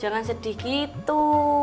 jangan sedih gitu